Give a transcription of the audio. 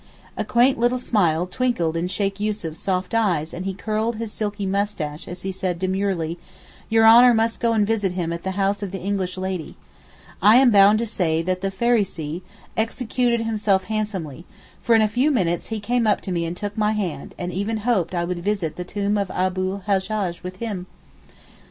A quaint little smile twinkled in Sheykh Yussuf's soft eyes and he curled his silky moustache as he said demurely, 'Your Honour must go and visit him at the house of the English Lady.' I am bound to say that the Pharisee 'executed himself handsomely, for in a few minutes he came up to me and took my hand and even hoped I would visit the tomb of Abu l Hajjaj with him!!